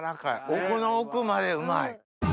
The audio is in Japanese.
奥の奥までうまい。